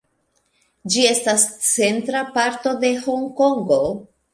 Ĝi estas centra parto de Honkongo.